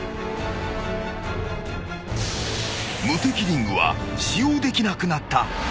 ［無敵リングは使用できなくなった］